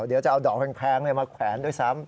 เดี๋ยวจะเอาดอกแพงมาแขวนด้วยซ้ำ